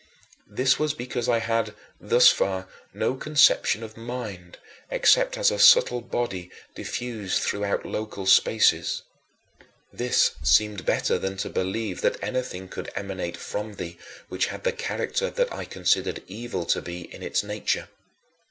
This was because I had, thus far, no conception of mind, except as a subtle body diffused throughout local spaces. This seemed better than to believe that anything could emanate from thee which had the character that I considered evil to be in its nature.